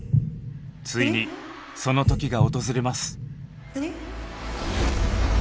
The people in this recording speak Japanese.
ついにその時が訪れます。